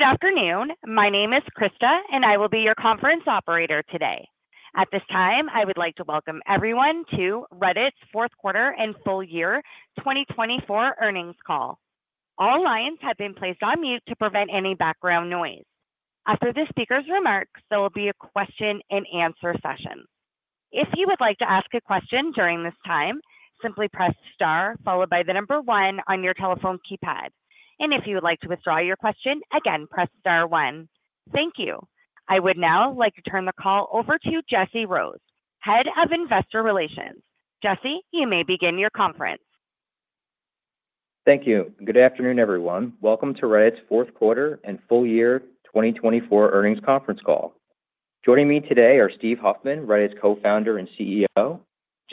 Good afternoon. My name is Krista, and I will be your conference operator today. At this time, I would like to welcome everyone to Reddit's fourth quarter and full year 2024 earnings call. All lines have been placed on mute to prevent any background noise. After the speaker's remarks, there will be a question-and-answer session. If you would like to ask a question during this time, simply press star followed by the number one on your telephone keypad, and if you would like to withdraw your question, again, press star one. Thank you. I would now like to turn the call over to Jesse Rose, Head of Investor Relations. Jesse, you may begin your conference. Thank you. Good afternoon, everyone. Welcome to Reddit's fourth quarter and full year 2024 earnings conference call. Joining me today are Steve Huffman, Reddit's co-founder and CEO,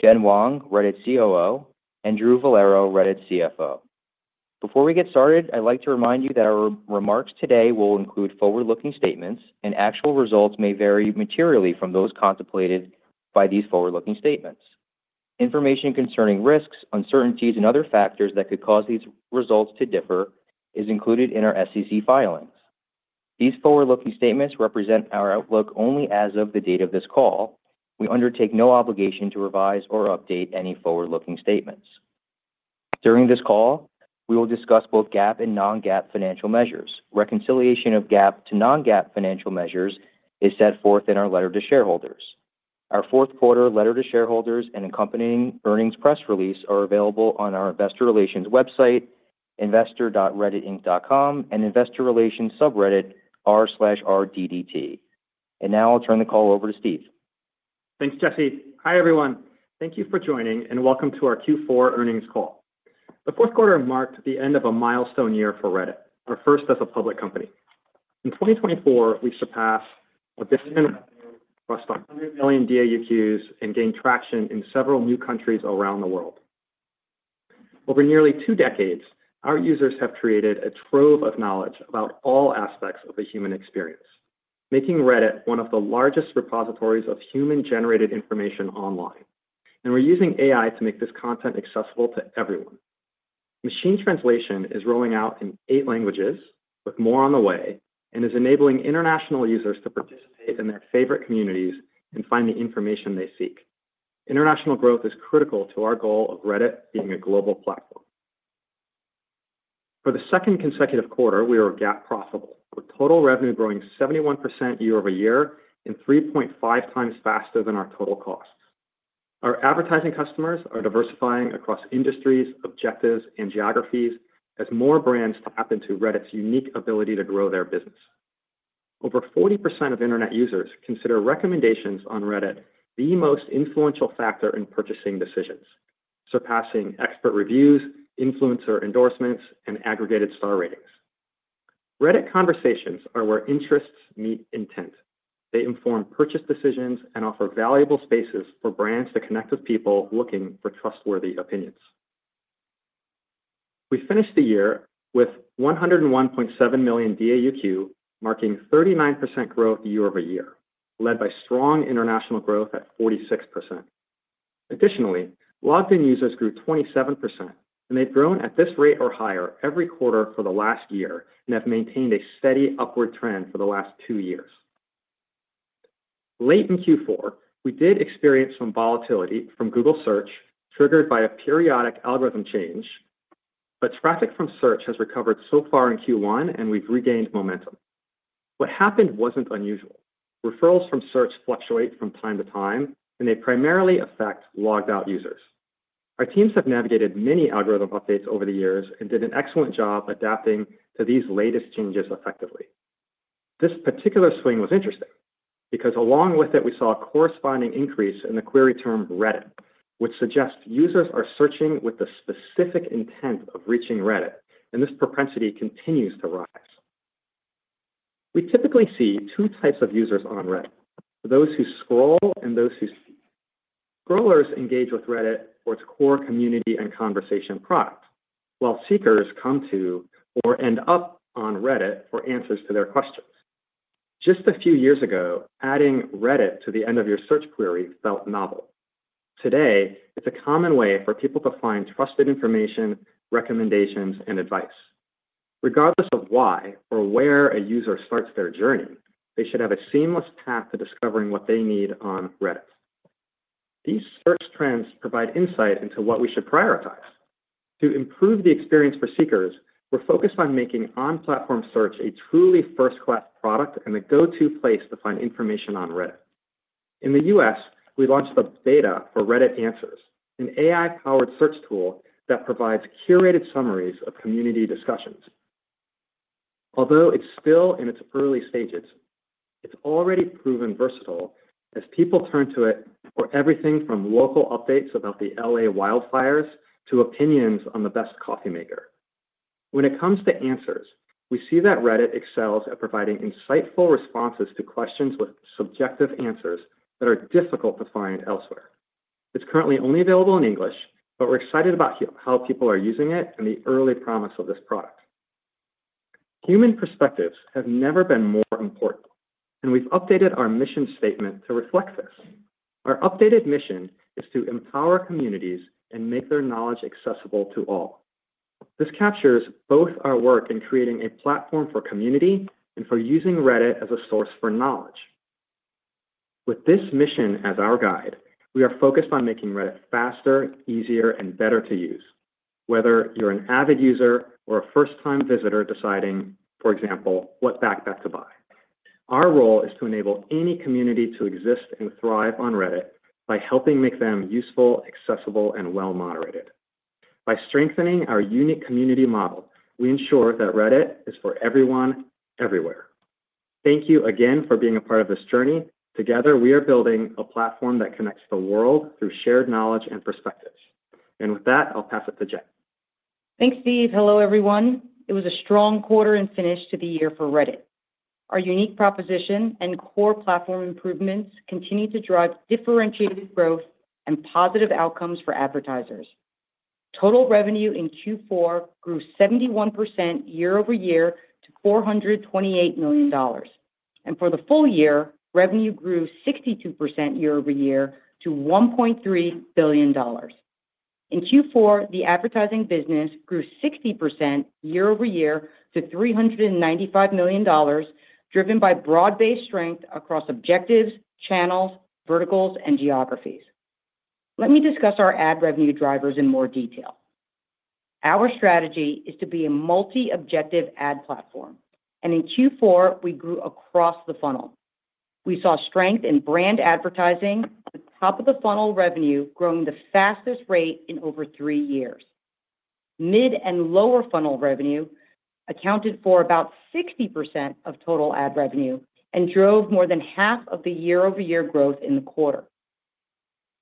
Jen Wong, Reddit COO, and Drew Vollero, Reddit CFO. Before we get started, I'd like to remind you that our remarks today will include forward-looking statements, and actual results may vary materially from those contemplated by these forward-looking statements. Information concerning risks, uncertainties, and other factors that could cause these results to differ is included in our SEC filings. These forward-looking statements represent our outlook only as of the date of this call. We undertake no obligation to revise or update any forward-looking statements. During this call, we will discuss both GAAP and non-GAAP financial measures. Reconciliation of GAAP to non-GAAP financial measures is set forth in our letter to shareholders. Our fourth quarter letter to shareholders and accompanying earnings press release are available on our investor relations website, investor.redditinc.com, and investor relations subreddit r/RDDT. And now I'll turn the call over to Steve. Thanks, Jesse. Hi, everyone. Thank you for joining, and welcome to our Q4 earnings call. The fourth quarter marked the end of a milestone year for Reddit, our first as a public company. In 2024, we surpassed $1 billion revenue, crossed 100 million DAUq, and gained traction in several new countries around the world. Over nearly two decades, our users have created a trove of knowledge about all aspects of the human experience, making Reddit one of the largest repositories of human-generated information online. And we're using AI to make this content accessible to everyone. Machine translation is rolling out in eight languages, with more on the way, and is enabling international users to participate in their favorite communities and find the information they seek. International growth is critical to our goal of Reddit being a global platform. For the second consecutive quarter, we were GAAP profitable, with total revenue growing 71% year over year and 3.5x faster than our total costs. Our advertising customers are diversifying across industries, objectives, and geographies as more brands tap into Reddit's unique ability to grow their business. Over 40% of internet users consider recommendations on Reddit the most influential factor in purchasing decisions, surpassing expert reviews, influencer endorsements, and aggregated star ratings. Reddit conversations are where interests meet intent. They inform purchase decisions and offer valuable spaces for brands to connect with people looking for trustworthy opinions. We finished the year with 101.7 million DAUq, marking 39% growth year over year, led by strong international growth at 46%. Additionally, logged-in users grew 27%, and they've grown at this rate or higher every quarter for the last year and have maintained a steady upward trend for the last two years. Late in Q4, we did experience some volatility from Google Search, triggered by a periodic algorithm change, but traffic from Search has recovered so far in Q1, and we've regained momentum. What happened wasn't unusual. Referrals from Search fluctuate from time to time, and they primarily affect logged-out users. Our teams have navigated many algorithm updates over the years and did an excellent job adapting to these latest changes effectively. This particular swing was interesting because, along with it, we saw a corresponding increase in the query term Reddit, which suggests users are searching with the specific intent of reaching Reddit, and this propensity continues to rise. We typically see two types of users on Reddit: those who scroll and those who seek. Scrollers engage with Reddit for its core community and conversation product, while seekers come to or end up on Reddit for answers to their questions. Just a few years ago, adding Reddit to the end of your search query felt novel. Today, it's a common way for people to find trusted information, recommendations, and advice. Regardless of why or where a user starts their journey, they should have a seamless path to discovering what they need on Reddit. These search trends provide insight into what we should prioritize. To improve the experience for seekers, we're focused on making on-platform search a truly first-class product and the go-to place to find information on Reddit. In the U.S., we launched the Beta for Reddit Answers, an AI-powered search tool that provides curated summaries of community discussions. Although it's still in its early stages, it's already proven versatile as people turn to it for everything from local updates about the LA wildfires to opinions on the best coffee maker. When it comes to answers, we see that Reddit excels at providing insightful responses to questions with subjective answers that are difficult to find elsewhere. It's currently only available in English, but we're excited about how people are using it and the early promise of this product. Human perspectives have never been more important, and we've updated our mission statement to reflect this. Our updated mission is to empower communities and make their knowledge accessible to all. This captures both our work in creating a platform for community and for using Reddit as a source for knowledge. With this mission as our guide, we are focused on making Reddit faster, easier, and better to use, whether you're an avid user or a first-time visitor deciding, for example, what backpack to buy. Our role is to enable any community to exist and thrive on Reddit by helping make them useful, accessible, and well-moderated. By strengthening our unique community model, we ensure that Reddit is for everyone, everywhere. Thank you again for being a part of this journey. Together, we are building a platform that connects the world through shared knowledge and perspectives. And with that, I'll pass it to Jen. Thanks, Steve. Hello, everyone. It was a strong quarter and finish to the year for Reddit. Our unique proposition and core platform improvements continue to drive differentiated growth and positive outcomes for advertisers. Total revenue in Q4 grew 71% year over year to $428 million, and for the full year, revenue grew 62% year over year to $1.3 billion. In Q4, the advertising business grew 60% year over year to $395 million, driven by broad-based strength across objectives, channels, verticals, and geographies. Let me discuss our ad revenue drivers in more detail. Our strategy is to be a multi-objective ad platform, and in Q4, we grew across the funnel. We saw strength in brand advertising, the top of the funnel revenue growing the fastest rate in over three years. Mid and lower funnel revenue accounted for about 60% of total ad revenue and drove more than half of the year-over-year growth in the quarter.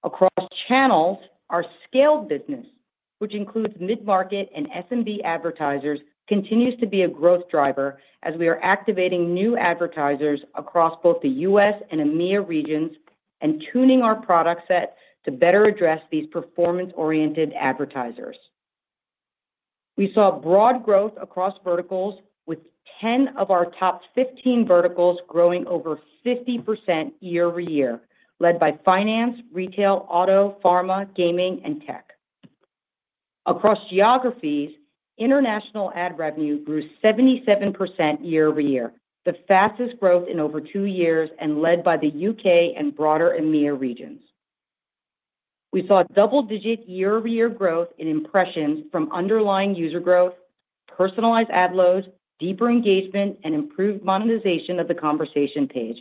Across channels, our scaled business, which includes mid-market and SMB advertisers, continues to be a growth driver as we are activating new advertisers across both the U.S. and EMEA regions and tuning our product set to better address these performance-oriented advertisers. We saw broad growth across verticals, with 10 of our top 15 verticals growing over 50% year over year, led by finance, retail, auto, pharma, gaming, and tech. Across geographies, international ad revenue grew 77% year over year, the fastest growth in over two years, and led by the U.K. and broader EMEA regions. We saw double-digit year-over-year growth in impressions from underlying user growth, personalized ad loads, deeper engagement, and improved monetization of the conversation page,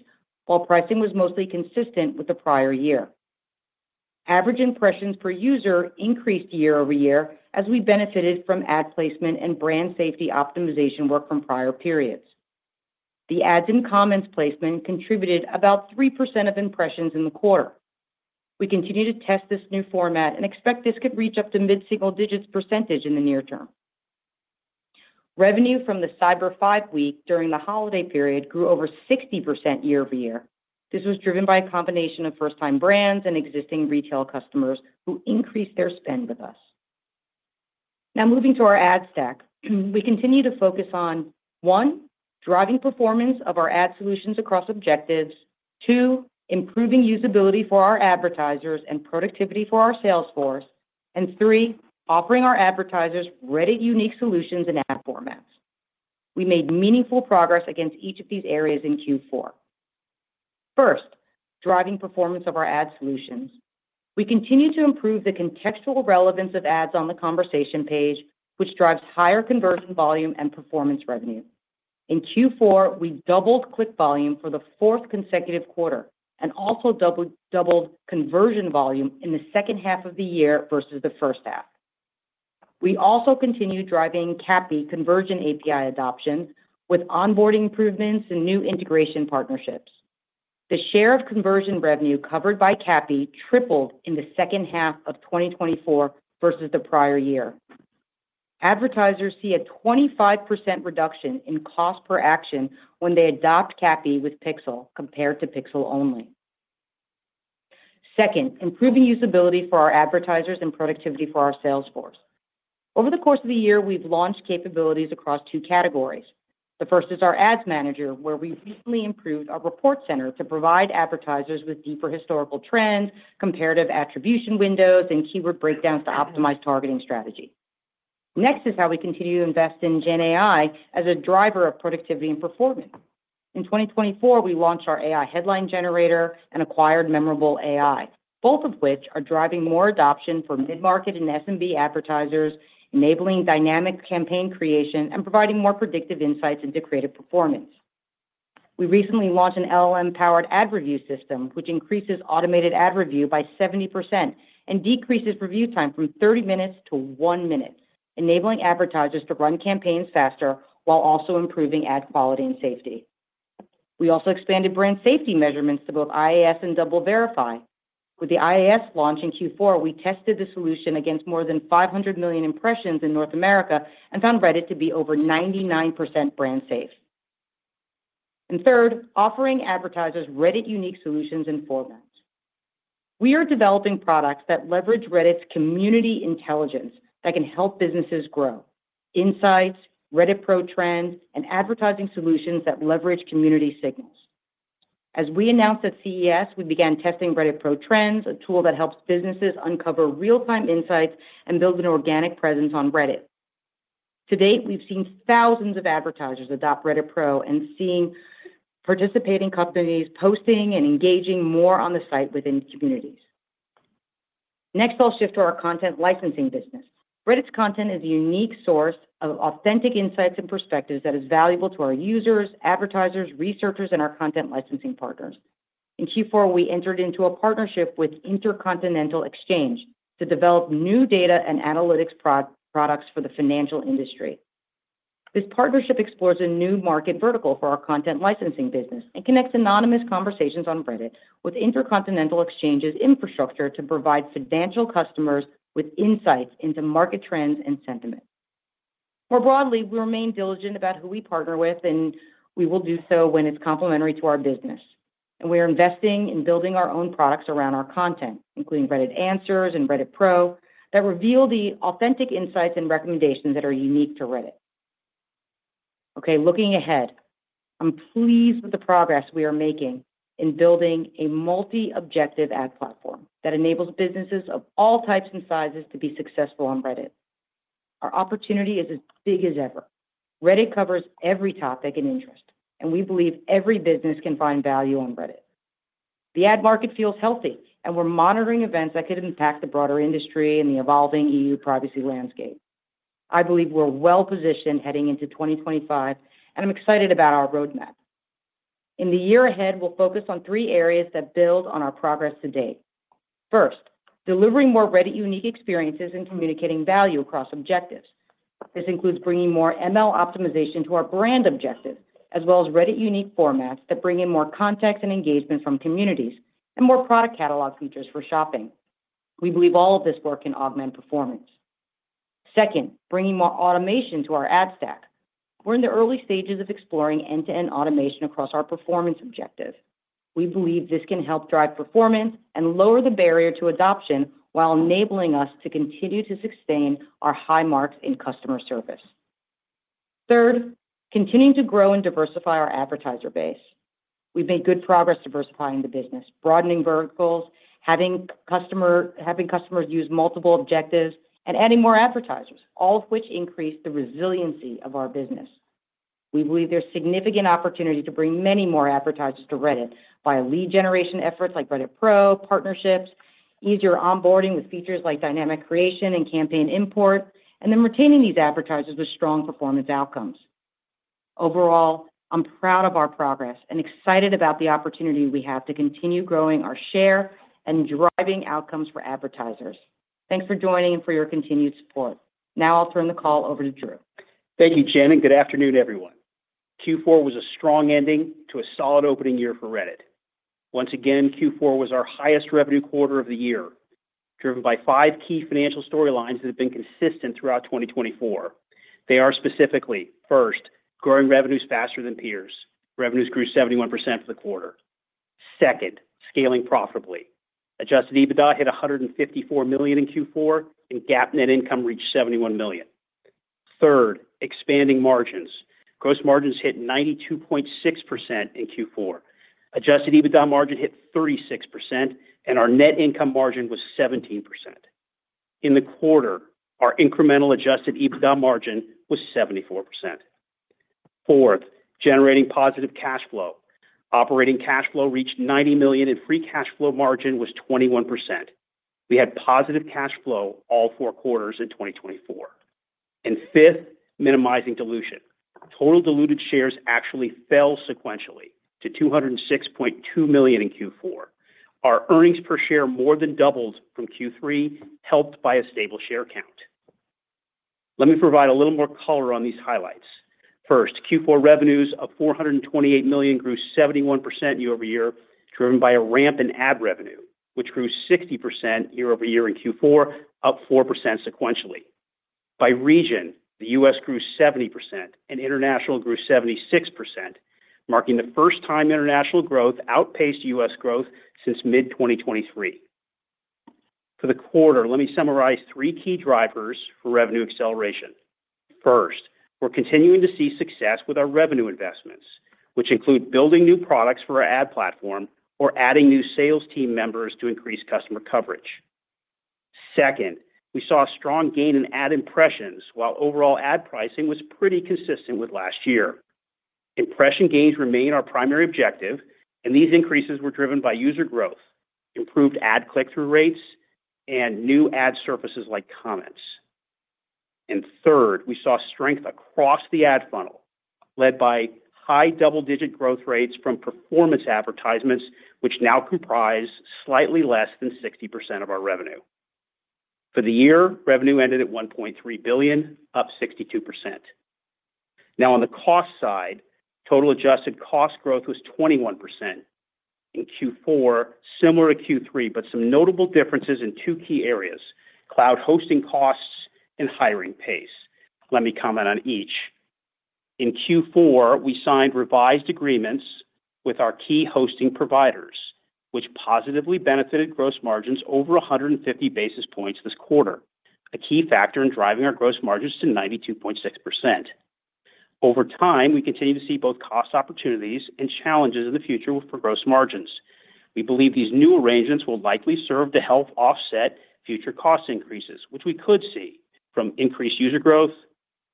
while pricing was mostly consistent with the prior year. Average impressions per user increased year over year as we benefited from ad placement and brand safety optimization work from prior periods. The ads and comments placement contributed about 3% of impressions in the quarter. We continue to test this new format and expect this could reach up to mid-single digits % in the near term. Revenue from the Cyber Five Week during the holiday period grew over 60% year over year. This was driven by a combination of first-time brands and existing retail customers who increased their spend with us. Now, moving to our ad stack, we continue to focus on one, driving performance of our ad solutions across objectives, two, improving usability for our advertisers and productivity for our sales force, and three, offering our advertisers Reddit-unique solutions and ad formats. We made meaningful progress against each of these areas in Q4. First, driving performance of our ad solutions. We continue to improve the contextual relevance of ads on the conversation page, which drives higher conversion volume and performance revenue. In Q4, we doubled click volume for the fourth consecutive quarter and also doubled conversion volume in the second half of the year versus the first half. We also continue driving CAPI conversion API adoption with onboarding improvements and new integration partnerships. The share of conversion revenue covered by CAPI tripled in the second half of 2024 versus the prior year. Advertisers see a 25% reduction in cost per action when they adopt CAPI with Pixel compared to Pixel only. Second, improving usability for our advertisers and productivity for our sales force. Over the course of the year, we've launched capabilities across two categories. The first is our Ads Manager, where we recently improved our report center to provide advertisers with deeper historical trends, comparative attribution windows, and keyword breakdowns to optimize targeting strategy. Next is how we continue to invest in GenAI as a driver of productivity and performance. In 2024, we launched our AI Headline Generator and acquired Memorable AI, both of which are driving more adoption for mid-market and SMB advertisers, enabling dynamic campaign creation and providing more predictive insights into creative performance. We recently launched an LLM-powered ad review system, which increases automated ad review by 70% and decreases review time from 30 minutes to one minute, enabling advertisers to run campaigns faster while also improving ad quality and safety. We also expanded brand safety measurements to both IAS and DoubleVerify. With the IAS launch in Q4, we tested the solution against more than 500 million impressions in North America and found Reddit to be over 99% brand safe. And third, offering advertisers Reddit-unique solutions and formats. We are developing products that leverage Reddit's community intelligence that can help businesses grow: insights, Reddit Pro Trends, and advertising solutions that leverage community signals. As we announced at CES, we began testing Reddit Pro Trends, a tool that helps businesses uncover real-time insights and build an organic presence on Reddit. To date, we've seen thousands of advertisers adopt Reddit Pro and seen participating companies posting and engaging more on the site within communities. Next, I'll shift to our content licensing business. Reddit's content is a unique source of authentic insights and perspectives that is valuable to our users, advertisers, researchers, and our content licensing partners. In Q4, we entered into a partnership with Intercontinental Exchange to develop new data and analytics products for the financial industry. This partnership explores a new market vertical for our content licensing business and connects anonymous conversations on Reddit with Intercontinental Exchange's infrastructure to provide financial customers with insights into market trends and sentiment. More broadly, we remain diligent about who we partner with, and we will do so when it's complementary to our business. We are investing in building our own products around our content, including Reddit Answers and Reddit Pro, that reveal the authentic insights and recommendations that are unique to Reddit. Okay, looking ahead, I'm pleased with the progress we are making in building a multi-objective ad platform that enables businesses of all types and sizes to be successful on Reddit. Our opportunity is as big as ever. Reddit covers every topic and interest, and we believe every business can find value on Reddit. The ad market feels healthy, and we're monitoring events that could impact the broader industry and the evolving EU privacy landscape. I believe we're well-positioned heading into 2025, and I'm excited about our roadmap. In the year ahead, we'll focus on three areas that build on our progress to date. First, delivering more Reddit-unique experiences and communicating value across objectives. This includes bringing more ML optimization to our brand objectives, as well as Reddit-unique formats that bring in more context and engagement from communities and more product catalog features for shopping. We believe all of this work can augment performance. Second, bringing more automation to our ad stack. We're in the early stages of exploring end-to-end automation across our performance objectives. We believe this can help drive performance and lower the barrier to adoption while enabling us to continue to sustain our high marks in customer service. Third, continuing to grow and diversify our advertiser base. We've made good progress diversifying the business, broadening verticals, having customers use multiple objectives, and adding more advertisers, all of which increase the resiliency of our business. We believe there's significant opportunity to bring many more advertisers to Reddit via lead generation efforts like Reddit Pro, partnerships, easier onboarding with features like dynamic creation and campaign import, and then retaining these advertisers with strong performance outcomes. Overall, I'm proud of our progress and excited about the opportunity we have to continue growing our share and driving outcomes for advertisers. Thanks for joining and for your continued support. Now I'll turn the call over to Drew. Thank you, Jen. Good afternoon, everyone. Q4 was a strong ending to a solid opening year for Reddit. Once again, Q4 was our highest revenue quarter of the year, driven by five key financial storylines that have been consistent throughout 2024. They are specifically, first, growing revenues faster than peers. Revenues grew 71% for the quarter. Second, scaling profitably. Adjusted EBITDA hit $154 million in Q4, and GAAP net income reached $71 million. Third, expanding margins. Gross margins hit 92.6% in Q4. Adjusted EBITDA margin hit 36%, and our net income margin was 17%. In the quarter, our incremental adjusted EBITDA margin was 74%. Fourth, generating positive cash flow. Operating cash flow reached $90 million, and free cash flow margin was 21%. We had positive cash flow all four quarters in 2024. And fifth, minimizing dilution. Total diluted shares actually fell sequentially to $206.2 million in Q4. Our earnings per share more than doubled from Q3, helped by a stable share count. Let me provide a little more color on these highlights. First, Q4 revenues of $428 million grew 71% year over year, driven by a ramp in ad revenue, which grew 60% year over year in Q4, up 4% sequentially. By region, the U.S. grew 70%, and international grew 76%, marking the first time international growth outpaced U.S. growth since mid-2023. For the quarter, let me summarize three key drivers for revenue acceleration. First, we're continuing to see success with our revenue investments, which include building new products for our ad platform or adding new sales team members to increase customer coverage. Second, we saw a strong gain in ad impressions while overall ad pricing was pretty consistent with last year. Impression gains remain our primary objective, and these increases were driven by user growth, improved ad click-through rates, and new ad surfaces like comments, and third, we saw strength across the ad funnel, led by high double-digit growth rates from performance advertisements, which now comprise slightly less than 60% of our revenue. For the year, revenue ended at $1.3 billion, up 62%. Now, on the cost side, total adjusted cost growth was 21%. In Q4, similar to Q3, but some notable differences in two key areas: cloud hosting costs and hiring pace. Let me comment on each. In Q4, we signed revised agreements with our key hosting providers, which positively benefited gross margins over 150 basis points this quarter, a key factor in driving our gross margins to 92.6%. Over time, we continue to see both cost opportunities and challenges in the future for gross margins. We believe these new arrangements will likely serve to help offset future cost increases, which we could see from increased user growth,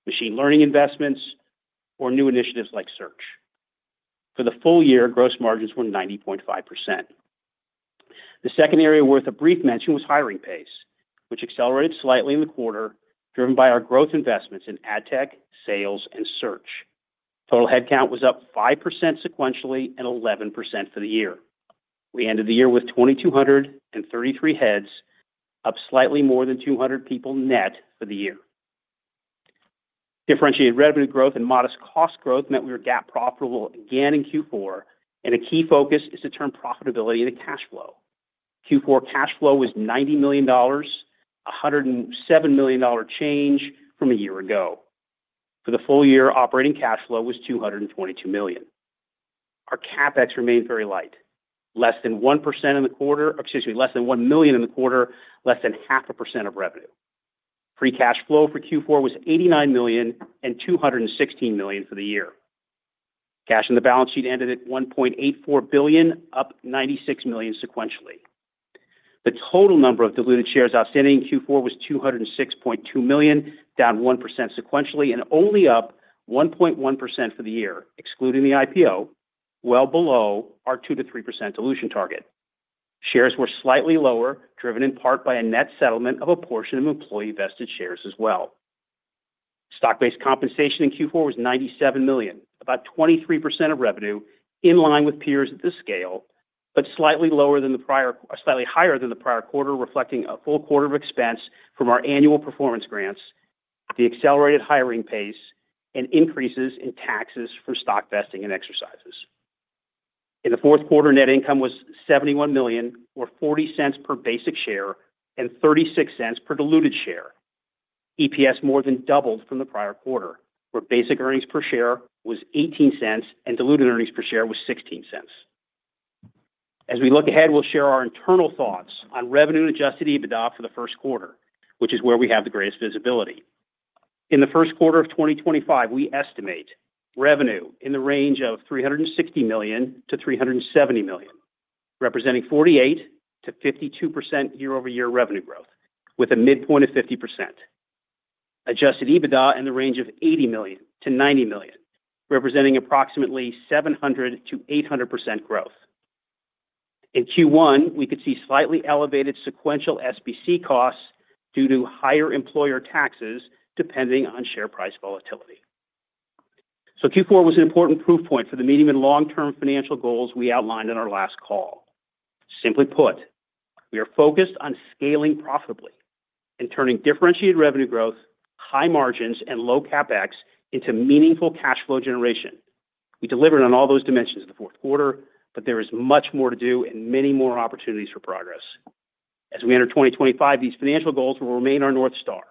machine learning investments, or new initiatives like search. For the full year, gross margins were 90.5%. The second area worth a brief mention was hiring pace, which accelerated slightly in the quarter, driven by our growth investments in ad tech, sales, and search. Total headcount was up 5% sequentially and 11% for the year. We ended the year with 2,233 heads, up slightly more than 200 people net for the year. Differentiated revenue growth and modest cost growth meant we were GAAP profitable again in Q4, and a key focus is to turn profitability into cash flow. Q4 cash flow was $90 million, $107 million change from a year ago. For the full year, operating cash flow was $222 million. Our CapEx remained very light, less than 1% in the quarter, excuse me, less than $1 million in the quarter, less than half a percent of revenue. Free cash flow for Q4 was $89 million and $216 million for the year. Cash in the balance sheet ended at $1.84 billion, up $96 million sequentially. The total number of diluted shares outstanding in Q4 was 206.2 million, down 1% sequentially, and only up 1.1% for the year, excluding the IPO, well below our 2%-3% dilution target. Shares were slightly lower, driven in part by a net settlement of a portion of employee vested shares as well. Stock-based compensation in Q4 was $97 million, about 23% of revenue, in line with peers at this scale, but slightly lower than the prior, slightly higher than the prior quarter, reflecting a full quarter of expense from our annual performance grants, the accelerated hiring pace, and increases in taxes from stock vesting and exercises. In the fourth quarter, net income was $71 million, or $0.40 per basic share and $0.36 per diluted share. EPS more than doubled from the prior quarter, where basic earnings per share was $0.18 and diluted earnings per share was $0.16. As we look ahead, we'll share our internal thoughts on revenue and adjusted EBITDA for the first quarter, which is where we have the greatest visibility. In the first quarter of 2025, we estimate revenue in the range of $360 million-$370 million, representing 48%-52% year-over-year revenue growth, with a midpoint of 50%. Adjusted EBITDA in the range of $80 million-$90 million, representing approximately 700%-800% growth. In Q1, we could see slightly elevated sequential SBC costs due to higher employer taxes, depending on share price volatility. So Q4 was an important proof point for the medium and long-term financial goals we outlined in our last call. Simply put, we are focused on scaling profitably and turning differentiated revenue growth, high margins, and low CapEx into meaningful cash flow generation. We delivered on all those dimensions in the fourth quarter, but there is much more to do and many more opportunities for progress. As we enter 2025, these financial goals will remain our North Star.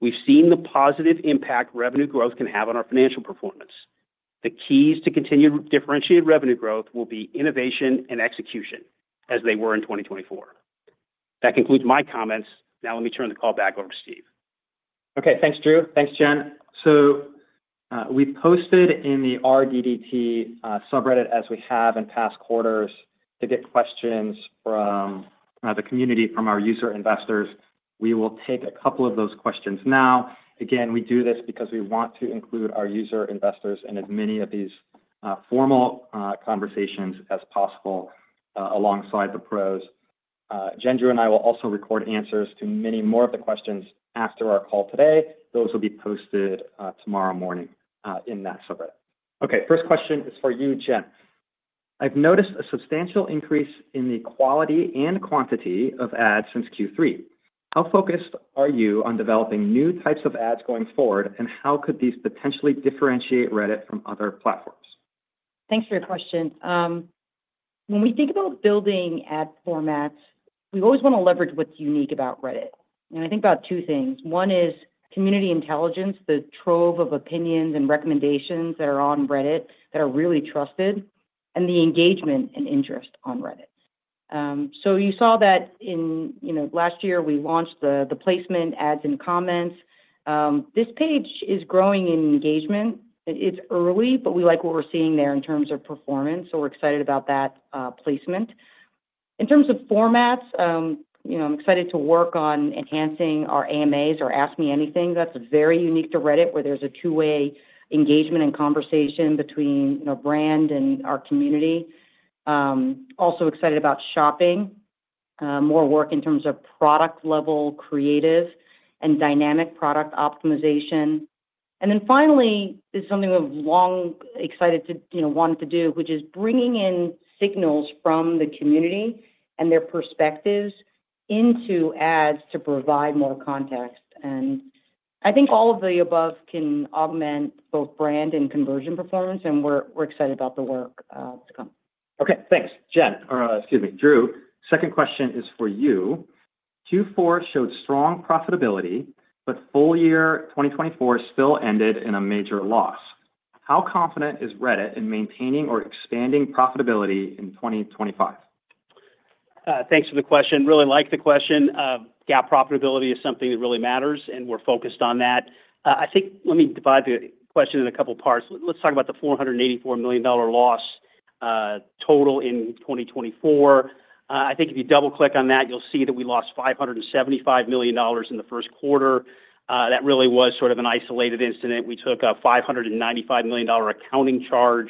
We've seen the positive impact revenue growth can have on our financial performance. The keys to continued differentiated revenue growth will be innovation and execution, as they were in 2024. That concludes my comments. Now let me turn the call back over to Steve. Okay, thanks, Drew. Thanks, Jen. So we posted in the RDDT subreddit as we have in past quarters to get questions from the community, from our user investors. We will take a couple of those questions now. Again, we do this because we want to include our user investors in as many of these formal conversations as possible alongside the pros. Jen, Drew, and I will also record answers to many more of the questions after our call today. Those will be posted tomorrow morning in that subreddit. Okay, first question is for you, Jen. I've noticed a substantial increase in the quality and quantity of ads since Q3. How focused are you on developing new types of ads going forward, and how could these potentially differentiate Reddit from other platforms? Thanks for your question. When we think about building ad formats, we always want to leverage what's unique about Reddit, and I think about two things. One is community intelligence, the trove of opinions and recommendations that are on Reddit that are really trusted, and the engagement and interest on Reddit, so you saw that in last year, we launched the placement ads and comments. This page is growing in engagement. It's early, but we like what we're seeing there in terms of performance, so we're excited about that placement. In terms of formats, I'm excited to work on enhancing our AMAs, or ask me anything. That's very unique to Reddit, where there's a two-way engagement and conversation between our brand and our community. Also excited about shopping, more work in terms of product-level creative and dynamic product optimization. Then finally, this is something we've long wanted to do, which is bringing in signals from the community and their perspectives into ads to provide more context. I think all of the above can augment both brand and conversion performance, and we're excited about the work to come. Okay, thanks. Jen, or excuse me, Drew, second question is for you. Q4 showed strong profitability, but full year 2024 still ended in a major loss. How confident is Reddit in maintaining or expanding profitability in 2025? Thanks for the question. Really like the question. Gap profitability is something that really matters, and we're focused on that. I think let me divide the question in a couple of parts. Let's talk about the $484 million loss total in 2024. I think if you double-click on that, you'll see that we lost $575 million in the first quarter. That really was sort of an isolated incident. We took a $595 million accounting charge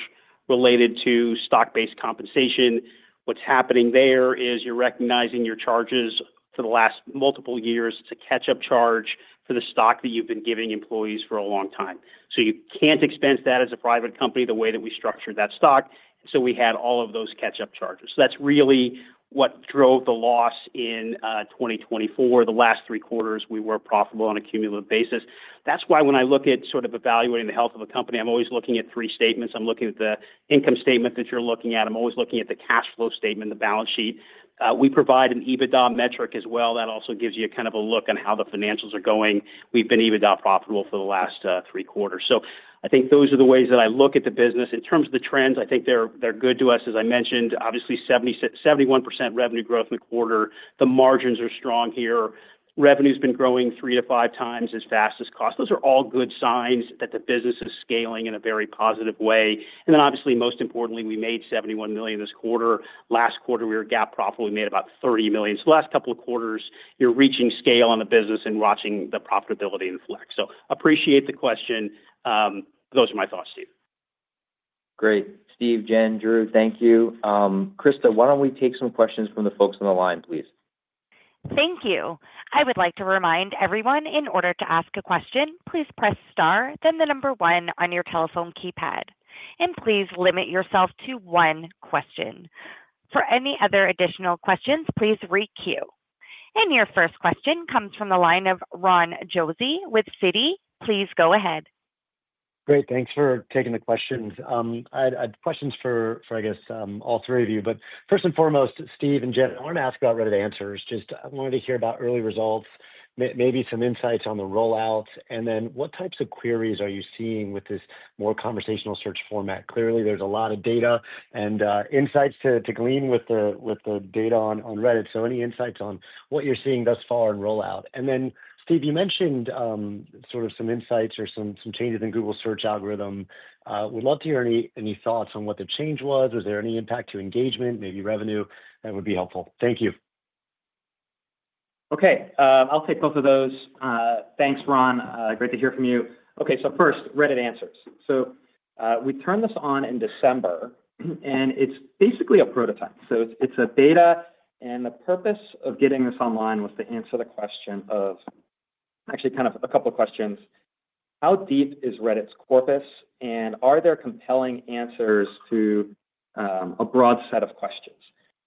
related to stock-based compensation. What's happening there is you're recognizing your charges for the last multiple years as a catch-up charge for the stock that you've been giving employees for a long time. So you can't expense that as a private company the way that we structured that stock. And so we had all of those catch-up charges. So that's really what drove the loss in 2024. The last three quarters, we were profitable on a cumulative basis. That's why when I look at sort of evaluating the health of a company, I'm always looking at three statements. I'm looking at the income statement that you're looking at. I'm always looking at the cash flow statement, the balance sheet. We provide an EBITDA metric as well. That also gives you kind of a look on how the financials are going. We've been EBITDA profitable for the last three quarters. So I think those are the ways that I look at the business. In terms of the trends, I think they're good to us, as I mentioned. Obviously, 71% revenue growth in the quarter. The margins are strong here. Revenue has been growing three to five times as fast as cost. Those are all good signs that the business is scaling in a very positive way. And then obviously, most importantly, we made $71 million this quarter. Last quarter, we were GAAP profit. We made about $30 million. So last couple of quarters, you're reaching scale on the business and watching the profitability inflection. So appreciate the question. Those are my thoughts, Steven. Great. Steve, Jen, Drew, thank you. Krista, why don't we take some questions from the folks on the line, please? Thank you. I would like to remind everyone in order to ask a question, please press star, then the number one on your telephone keypad. And please limit yourself to one question. For any other additional questions, please re-queue. And your first question comes from the line of Ron Josey with Citi. Please go ahead. Great. Thanks for taking the questions. I had questions for, I guess, all three of you. But first and foremost, Steve and Jen, I wanted to ask about Reddit Answers. Just I wanted to hear about early results, maybe some insights on the rollout, and then what types of queries are you seeing with this more conversational search format? Clearly, there's a lot of data and insights to glean with the data on Reddit. So any insights on what you're seeing thus far in rollout? And then, Steve, you mentioned sort of some insights or some changes in Google search algorithm. Would love to hear any thoughts on what the change was. Was there any impact to engagement, maybe revenue? That would be helpful. Thank you. Okay. I'll take both of those. Thanks, Ron. Great to hear from you. Okay, so first, Reddit Answers. So we turned this on in December, and it's basically a prototype. So it's a beta, and the purpose of getting this online was to answer the question of actually kind of a couple of questions. How deep is Reddit's corpus, and are there compelling answers to a broad set of questions?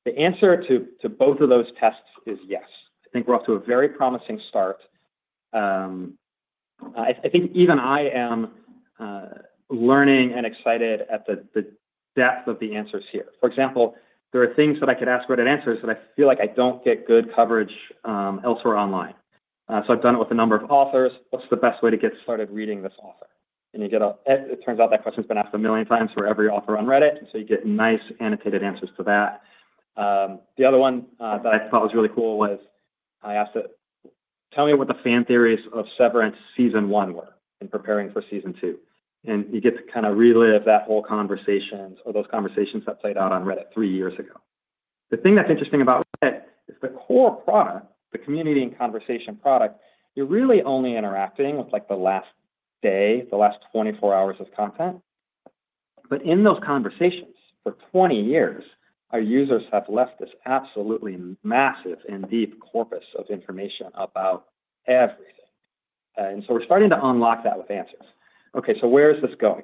The answer to both of those tests is yes. I think we're off to a very promising start. I think even I am learning and excited at the depth of the answers here. For example, there are things that I could ask Reddit Answers that I feel like I don't get good coverage elsewhere online. So I've done it with a number of authors. What's the best way to get started reading this author? It turns out that question's been asked a million times for every author on Reddit, and so you get nice annotated answers to that. The other one that I thought was really cool was I asked it, "Tell me what the fan theories of Severance season one were in preparing for season two." You get to kind of relive that whole conversation or those conversations that played out on Reddit three years ago. The thing that's interesting about Reddit is the core product, the community and conversation product, you're really only interacting with the last day, the last 24 hours of content. In those conversations, for 20 years, our users have left this absolutely massive and deep corpus of information about everything. We're starting to unlock that with answers. Okay, so where is this going?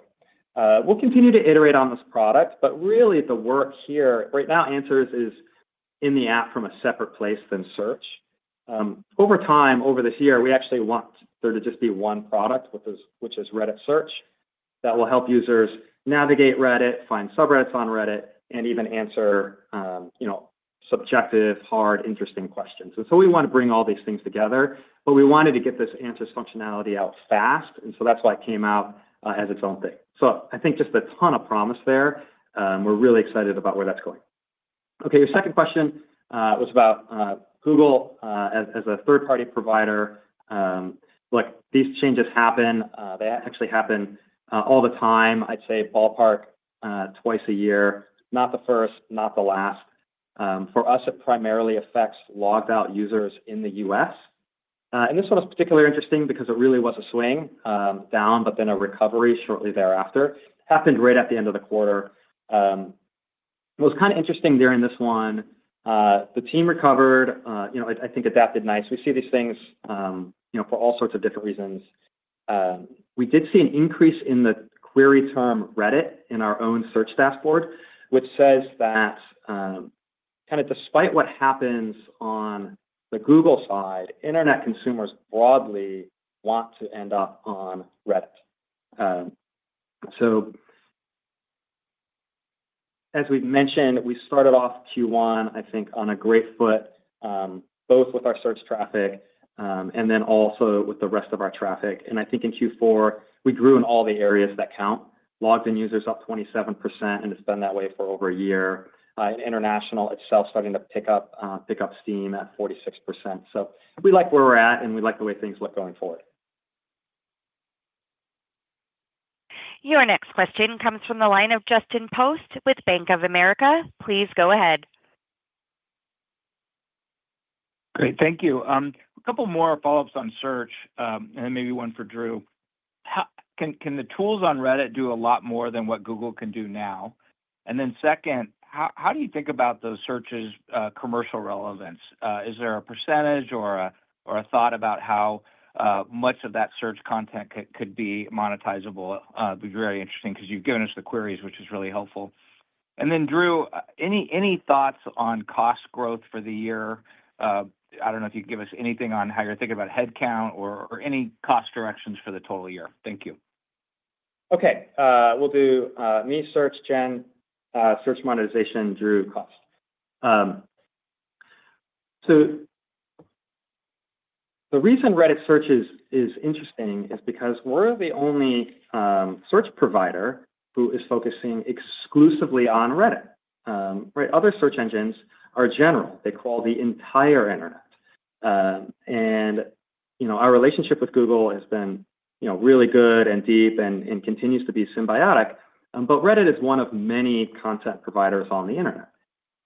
We'll continue to iterate on this product, but really the work here right now, answers is in the app from a separate place than search. Over time, over this year, we actually want there to just be one product, which is Reddit search, that will help users navigate Reddit, find subreddits on Reddit, and even answer subjective, hard, interesting questions, and so we want to bring all these things together, but we wanted to get this answers functionality out fast, and so that's why it came out as its own thing, so I think just a ton of promise there. We're really excited about where that's going. Okay, your second question was about Google as a third-party provider. Look, these changes happen. They actually happen all the time, I'd say ballpark twice a year. Not the first, not the last. For us, it primarily affects logged-out users in the U.S. And this one was particularly interesting because it really was a swing down, but then a recovery shortly thereafter. It happened right at the end of the quarter. It was kind of interesting during this one. The team recovered. I think adapted nice. We see these things for all sorts of different reasons. We did see an increase in the query term Reddit in our own search dashboard, which says that kind of despite what happens on the Google side, internet consumers broadly want to end up on Reddit. So as we've mentioned, we started off Q1, I think, on a great foot, both with our search traffic and then also with the rest of our traffic. And I think in Q4, we grew in all the areas that count. Logged-in users up 27%, and it's been that way for over a year. International itself starting to pick up steam at 46%. So we like where we're at, and we like the way things look going forward. Your next question comes from the line of Justin Post with Bank of America. Please go ahead. Great. Thank you. A couple more follow-ups on search, and then maybe one for Drew. Can the tools on Reddit do a lot more than what Google can do now? And then second, how do you think about those searches' commercial relevance? Is there a percentage or a thought about how much of that search content could be monetizable? It'd be very interesting because you've given us the queries, which is really helpful. And then Drew, any thoughts on cost growth for the year? I don't know if you could give us anything on how you're thinking about headcount or any cost directions for the total year. Thank you. Okay. We'll do me search, Jen, search monetization, Drew, cost. So the reason Reddit search is interesting is because we're the only search provider who is focusing exclusively on Reddit. Other search engines are general. They crawl the entire internet. And our relationship with Google has been really good and deep and continues to be symbiotic. But Reddit is one of many content providers on the internet.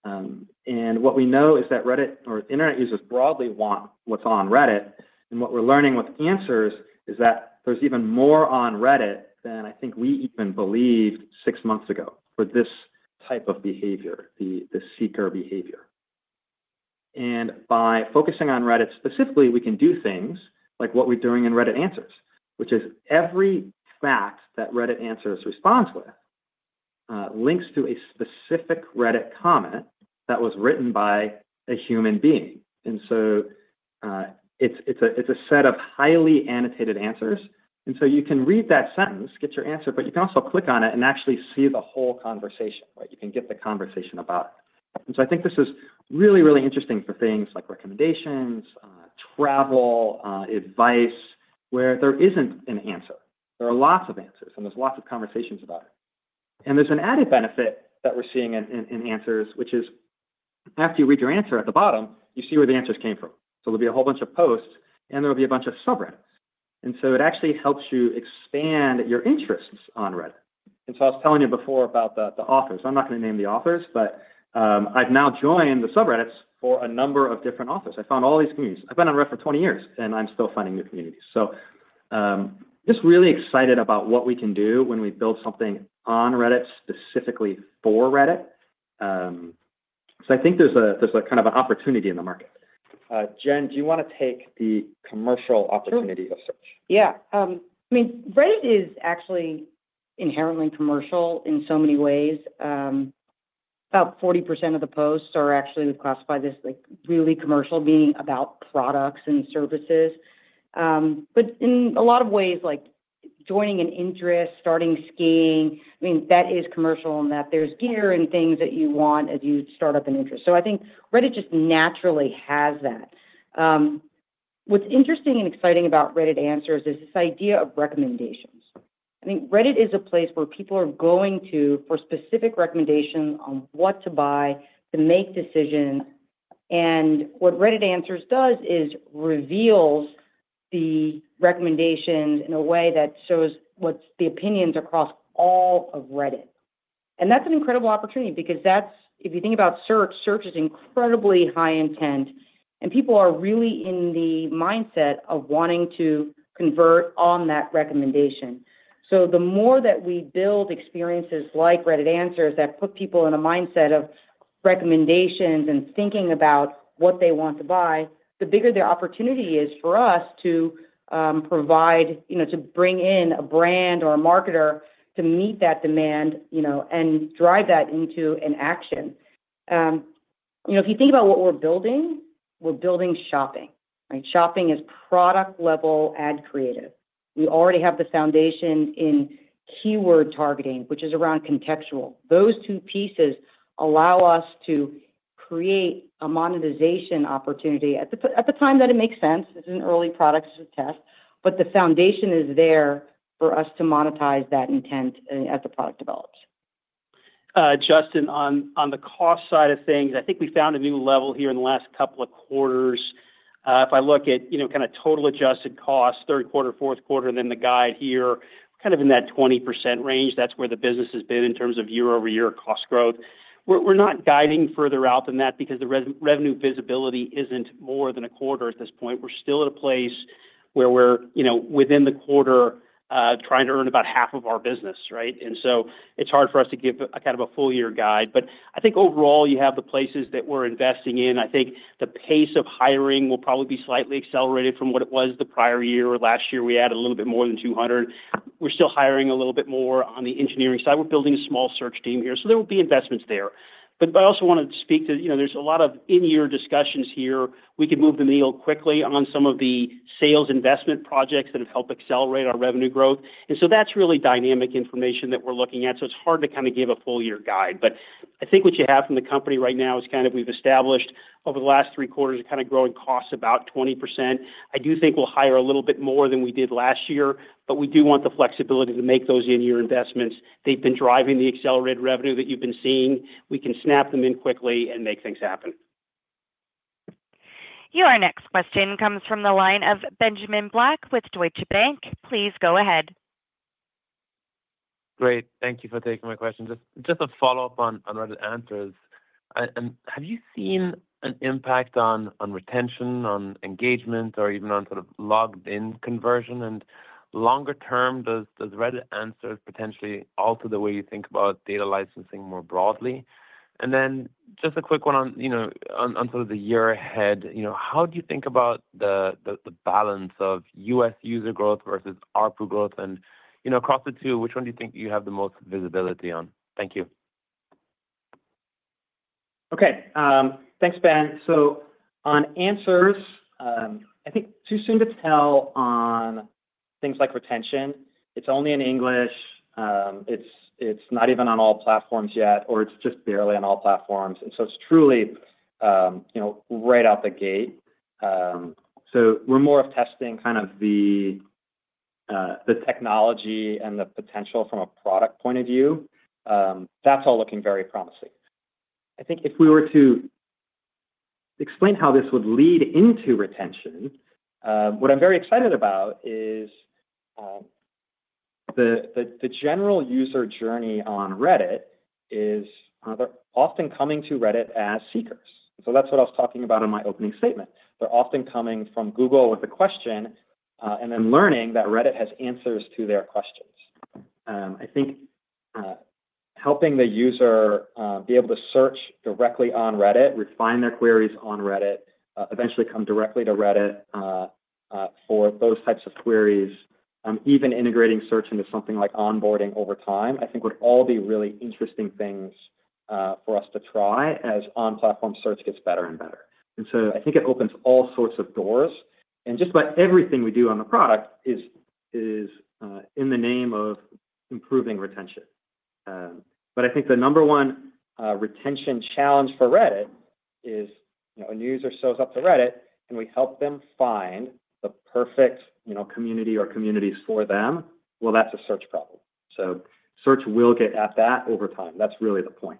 And what we know is that Reddit or internet users broadly want what's on Reddit. And what we're learning with answers is that there's even more on Reddit than I think we even believed six months ago for this type of behavior, the seeker behavior. By focusing on Reddit specifically, we can do things like what we're doing in Reddit Answers, which is every fact that Reddit Answers responds with links to a specific Reddit comment that was written by a human being. So it's a set of highly annotated answers. So you can read that sentence, get your answer, but you can also click on it and actually see the whole conversation. You can get the conversation about it. I think this is really, really interesting for things like recommendations, travel, advice, where there isn't an answer. There are lots of answers, and there's lots of conversations about it. There's an added benefit that we're seeing in Answers, which is after you read your answer at the bottom, you see where the answers came from. So there'll be a whole bunch of posts, and there'll be a bunch of subreddits. And so it actually helps you expand your interests on Reddit. And so I was telling you before about the authors. I'm not going to name the authors, but I've now joined the subreddits for a number of different authors. I found all these communities. I've been on Reddit for 20 years, and I'm still finding new communities. So just really excited about what we can do when we build something on Reddit specifically for Reddit. So I think there's a kind of an opportunity in the market. Jen, do you want to take the commercial opportunity of search? Yeah. I mean, Reddit is actually inherently commercial in so many ways. About 40% of the posts are actually classified as really commercial, meaning about products and services. But in a lot of ways, like joining an interest, starting skiing, I mean, that is commercial in that there's gear and things that you want as you start up an interest. So I think Reddit just naturally has that. What's interesting and exciting about Reddit Answers is this idea of recommendations. I think Reddit is a place where people are going to for specific recommendations on what to buy to make decisions, and what Reddit Answers does is reveals the recommendations in a way that shows what's the opinions across all of Reddit. And that's an incredible opportunity because if you think about search, search is incredibly high intent, and people are really in the mindset of wanting to convert on that recommendation. So the more that we build experiences like Reddit Answers that put people in a mindset of recommendations and thinking about what they want to buy, the bigger the opportunity is for us to provide, to bring in a brand or a marketer to meet that demand and drive that into an action. If you think about what we're building, we're building shopping. Shopping is product-level ad creative. We already have the foundation in keyword targeting, which is around contextual. Those two pieces allow us to create a monetization opportunity at the time that it makes sense. This is an early product test. But the foundation is there for us to monetize that intent as the product develops. Justin, on the cost side of things, I think we found a new level here in the last couple of quarters. If I look at kind of total adjusted costs, third quarter, fourth quarter, and then the guide here, kind of in that 20% range, that's where the business has been in terms of year-over-year cost growth. We're not guiding further out than that because the revenue visibility isn't more than a quarter at this point. We're still at a place where we're within the quarter trying to earn about half of our business, right? And so it's hard for us to give kind of a full-year guide. But I think overall, you have the places that we're investing in. I think the pace of hiring will probably be slightly accelerated from what it was the prior year or last year. We added a little bit more than 200. We're still hiring a little bit more on the engineering side. We're building a small search team here. So there will be investments there. But I also wanted to speak to, there's a lot of in-year discussions here. We can move the needle quickly on some of the sales investment projects that have helped accelerate our revenue growth. And so that's really dynamic information that we're looking at. So it's hard to kind of give a full-year guide. But I think what you have from the company right now is kind of we've established over the last three quarters kind of growing costs about 20%. I do think we'll hire a little bit more than we did last year, but we do want the flexibility to make those in-year investments. They've been driving the accelerated revenue that you've been seeing. We can snap them in quickly and make things happen. Your next question comes from the line of Benjamin Black with Deutsche Bank. Please go ahead. Great. Thank you for taking my question. Just a follow-up on Reddit Answers. Have you seen an impact on retention, on engagement, or even on sort of logged-in conversion? And longer term, does Reddit Answers potentially alter the way you think about data licensing more broadly? And then just a quick one on sort of the year ahead. How do you think about the balance of U.S. user growth versus ARPU growth? And across the two, which one do you think you have the most visibility on? Thank you. Okay. Thanks, Ben. So on answers, I think too soon to tell on things like retention. It's only in English. It's not even on all platforms yet, or it's just barely on all platforms. And so it's truly right out the gate. So we're more of testing kind of the technology and the potential from a product point of view. That's all looking very promising. I think if we were to explain how this would lead into retention, what I'm very excited about is the general user journey on Reddit is they're often coming to Reddit as seekers. And so that's what I was talking about in my opening statement. They're often coming from Google with a question and then learning that Reddit has answers to their questions. I think helping the user be able to search directly on Reddit, refine their queries on Reddit, eventually come directly to Reddit for those types of queries, even integrating search into something like onboarding over time, I think would all be really interesting things for us to try as on-platform search gets better and better, and so I think it opens all sorts of doors, and just about everything we do on the product is in the name of improving retention, but I think the number one retention challenge for Reddit is a user shows up to Reddit and we help them find the perfect community or communities for them, well, that's a search problem, so search will get at that over time. That's really the point.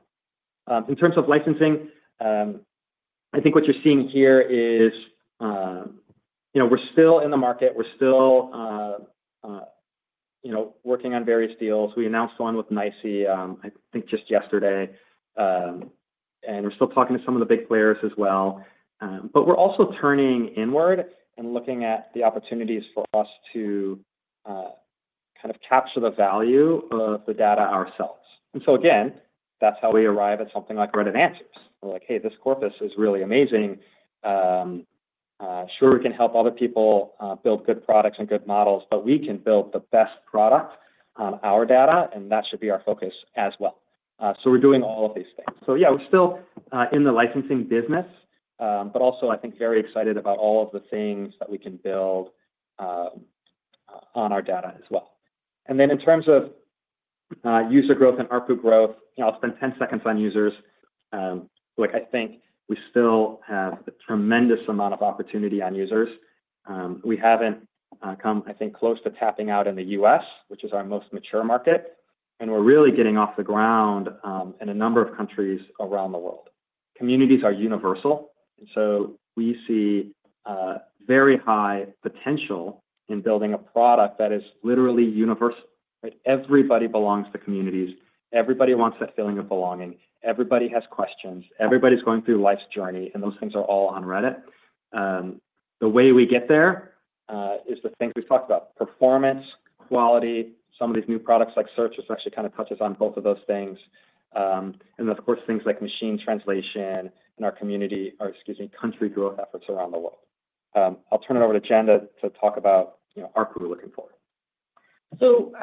In terms of licensing, I think what you're seeing here is we're still in the market. We're still working on various deals. We announced one with ICE, I think just yesterday. And we're still talking to some of the big players as well. But we're also turning inward and looking at the opportunities for us to kind of capture the value of the data ourselves. And so again, that's how we arrive at something like Reddit Answers. We're like, "Hey, this corpus is really amazing. Sure, we can help other people build good products and good models, but we can build the best product on our data, and that should be our focus as well." So we're doing all of these things. So yeah, we're still in the licensing business, but also I think very excited about all of the things that we can build on our data as well. And then in terms of user growth and ARPU growth, I'll spend 10 seconds on users. I think we still have a tremendous amount of opportunity on users. We haven't come, I think, close to tapping out in the U.S., which is our most mature market. And we're really getting off the ground in a number of countries around the world. Communities are universal. And so we see very high potential in building a product that is literally universal. Everybody belongs to communities. Everybody wants that feeling of belonging. Everybody has questions. Everybody's going through life's journey, and those things are all on Reddit. The way we get there is the things we've talked about: performance, quality. Some of these new products like search just actually kind of touches on both of those things. And then, of course, things like machine translation and our community or, excuse me, country growth efforts around the world. I'll turn it over to Jen to talk about ARPU we're looking for. So,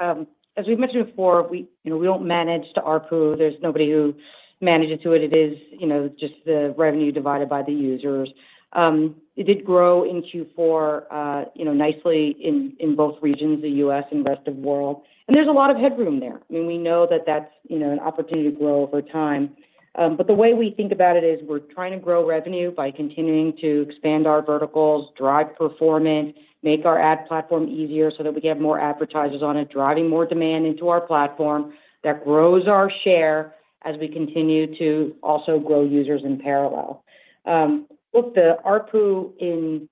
as we've mentioned before, we don't manage the ARPU. There's nobody who manages it. It is just the revenue divided by the users. It did grow in Q4 nicely in both regions, the U.S. and rest of the world. And there's a lot of headroom there. I mean, we know that that's an opportunity to grow over time. But the way we think about it is we're trying to grow revenue by continuing to expand our verticals, drive performance, make our ad platform easier so that we can have more advertisers on it, driving more demand into our platform that grows our share as we continue to also grow users in parallel. Look, the ARPU in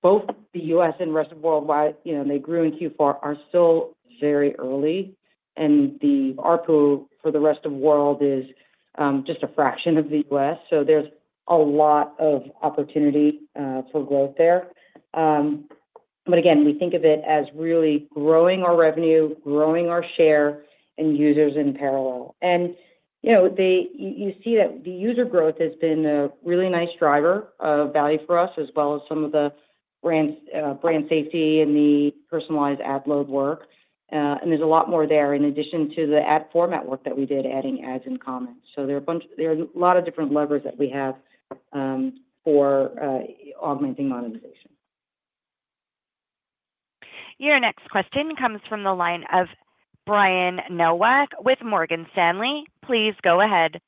both the U.S. and rest of the world, they grew in Q4, are still very early. And the ARPU for the rest of the world is just a fraction of the U.S. There's a lot of opportunity for growth there. But again, we think of it as really growing our revenue, growing our share, and users in parallel. You see that the user growth has been a really nice driver of value for us, as well as some of the brand safety and the personalized ad load work. There's a lot more there in addition to the ad format work that we did, adding ads in comments. There are a lot of different levers that we have for augmenting monetization. Your next question comes from the line of Brian Nowak with Morgan Stanley. Please go ahead.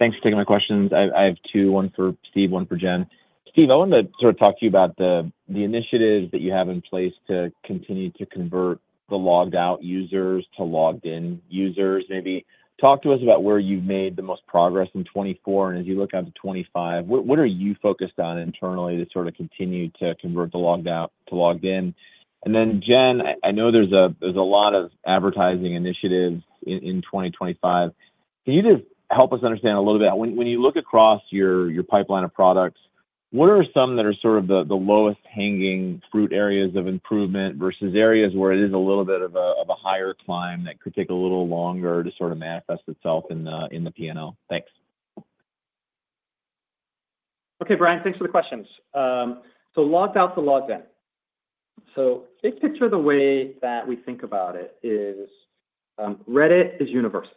Thanks for taking my questions. I have two, one for Steve, one for Jen. Steve, I wanted to sort of talk to you about the initiatives that you have in place to continue to convert the logged-out users to logged-in users. Maybe talk to us about where you've made the most progress in 2024. And as you look out to 2025, what are you focused on internally to sort of continue to convert the logged-out to logged-in? And then, Jen, I know there's a lot of advertising initiatives in 2025. Can you just help us understand a little bit? When you look across your pipeline of products, what are some that are sort of the lowest-hanging fruit areas of improvement versus areas where it is a little bit of a higher climb that could take a little longer to sort of manifest itself in the P&L? Thanks. Okay, Brian, thanks for the questions. So logged-out to logged-in. So big picture, the way that we think about it is Reddit is universal.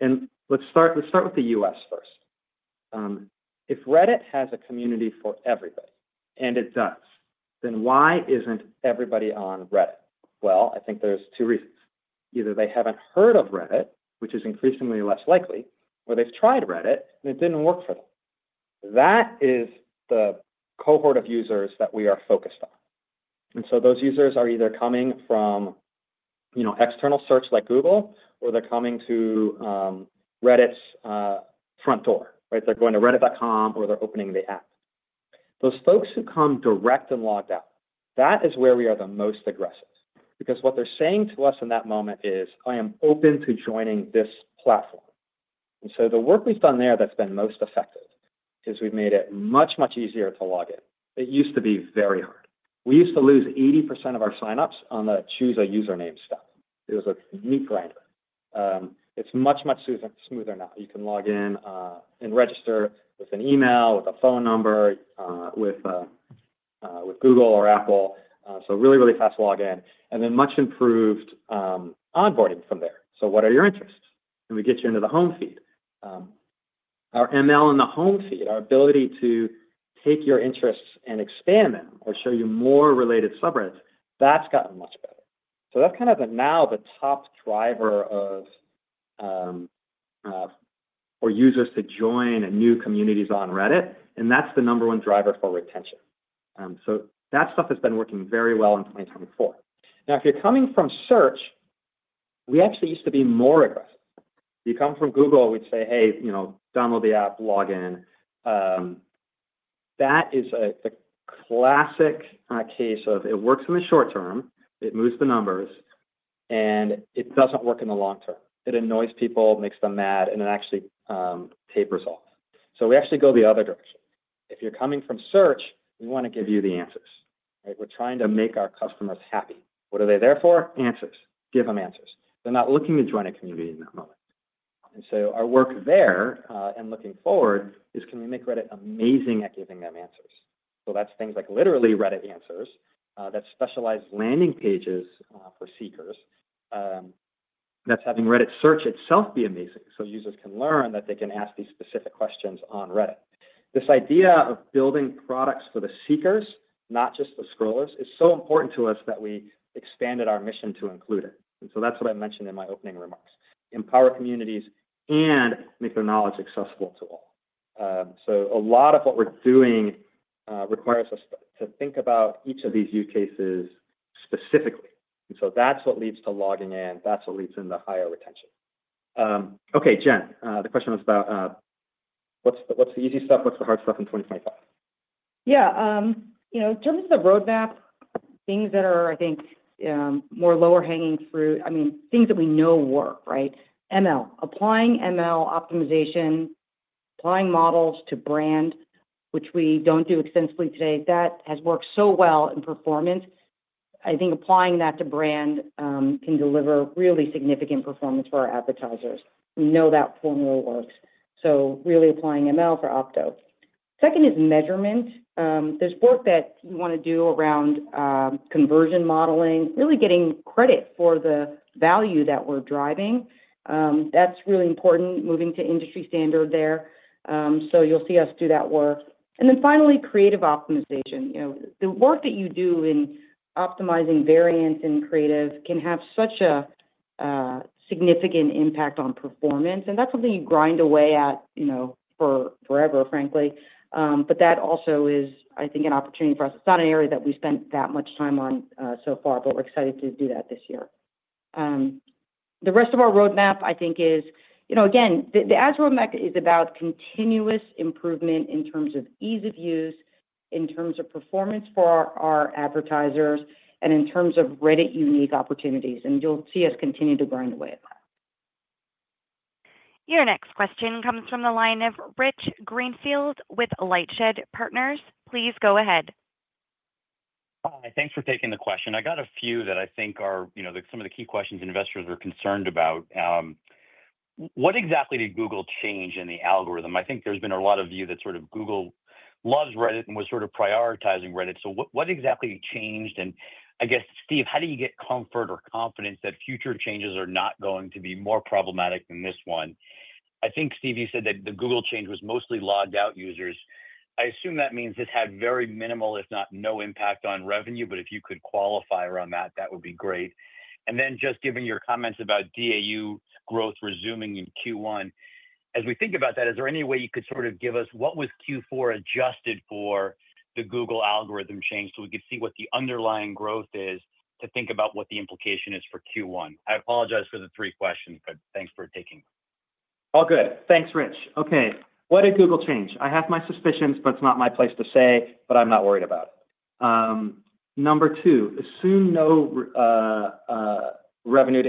And let's start with the U.S. first. If Reddit has a community for everybody, and it does, then why isn't everybody on Reddit? Well, I think there's two reasons. Either they haven't heard of Reddit, which is increasingly less likely, or they've tried Reddit and it didn't work for them. That is the cohort of users that we are focused on. And so those users are either coming from external search like Google, or they're coming to Reddit's front door, right? They're going to reddit.com or they're opening the app. Those folks who come direct and logged out, that is where we are the most aggressive. Because what they're saying to us in that moment is, "I am open to joining this platform." And so the work we've done there that's been most effective is we've made it much, much easier to log in. It used to be very hard. We used to lose 80% of our signups on the choose a username step. It was a meat grinder. It's much, much smoother now. You can log in and register with an email, with a phone number, with Google or Apple. So really, really fast login. And then much improved onboarding from there. So what are your interests? And we get you into the home feed. Our ML in the home feed, our ability to take your interests and expand them or show you more related subreddits, that's gotten much better. So that's kind of now the top driver for users to join and new communities on Reddit. And that's the number one driver for retention. So that stuff has been working very well in 2024. Now, if you're coming from search, we actually used to be more aggressive. If you come from Google, we'd say, "Hey, download the app, log in." That is a classic case of it works in the short term, it moves the numbers, and it doesn't work in the long term. It annoys people, makes them mad, and it actually tapers off. So we actually go the other direction. If you're coming from search, we want to give you the answers, right? We're trying to make our customers happy. What are they there for? Answers. Give them answers. They're not looking to join a community in that moment. And so our work there and looking forward is can we make Reddit amazing at giving them answers? So that's things like literally Reddit Answers, that specialized landing pages for seekers, that's having Reddit search itself be amazing so users can learn that they can ask these specific questions on Reddit. This idea of building products for the seekers, not just the scrollers, is so important to us that we expanded our mission to include it. And so that's what I mentioned in my opening remarks. Empower communities and make their knowledge accessible to all. So a lot of what we're doing requires us to think about each of these use cases specifically. And so that's what leads to logging in. That's what leads into higher retention. Okay, Jen, the question was about what's the easy stuff, what's the hard stuff in 2025? Yeah. In terms of the roadmap, things that are, I think, more lower-hanging fruit, I mean, things that we know work, right? ML, applying ML optimization, applying models to brand, which we don't do extensively today, that has worked so well in performance. I think applying that to brand can deliver really significant performance for our advertisers. We know that formula works. So really applying ML for ARPU. Second is measurement. There's work that you want to do around conversion modeling, really getting credit for the value that we're driving. That's really important, moving to industry standard there. So you'll see us do that work. And then finally, creative optimization. The work that you do in optimizing variants and creative can have such a significant impact on performance. And that's something you grind away at forever, frankly. But that also is, I think, an opportunity for us. It's not an area that we spent that much time on so far, but we're excited to do that this year. The rest of our roadmap, I think, is, again, the ads roadmap is about continuous improvement in terms of ease of use, in terms of performance for our advertisers, and in terms of Reddit unique opportunities. And you'll see us continue to grind away at that. Your next question comes from the line of Rich Greenfield with LightShed Partners. Please go ahead. Hi. Thanks for taking the question. I got a few that I think are some of the key questions investors are concerned about. What exactly did Google change in the algorithm? I think there's been a lot of views that sort of Google loves Reddit and was sort of prioritizing Reddit. So what exactly changed? And I guess, Steve, how do you get comfort or confidence that future changes are not going to be more problematic than this one? I think, Steve, you said that the Google change was mostly logged-out users. I assume that means this had very minimal, if not no impact on revenue. But if you could qualify around that, that would be great. Then just given your comments about DAUq growth resuming in Q1, as we think about that, is there any way you could sort of give us what was Q4 adjusted for the Google algorithm change so we could see what the underlying growth is to think about what the implication is for Q1? I apologize for the three questions, but thanks for taking them. All good. Thanks, Rich. Okay. Why did Google change? I have my suspicions, but it's not my place to say, but I'm not worried about it. Number two, assume no revenue